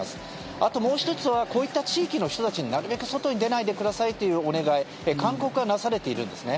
あと、もう１つはこういった地域の人たちになるべく外に出ないでくださいというお願い・勧告がなされているんですね。